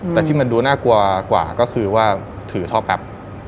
แต่ที่มันดูน่ากลัวกว่าก็คือว่าถือท่อแป๊บ